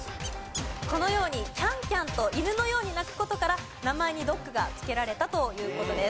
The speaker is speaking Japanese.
このようにキャンキャンと犬のように鳴く事から名前に「ドッグ」が付けられたという事です。